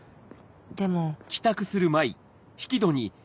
でも